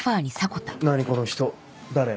何この人誰？